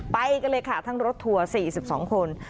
ไปกันเลยค่ะทั้งรถทัวร์๔๒คน